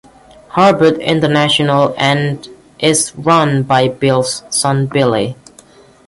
Harbert International and is run by Bill's son Billy.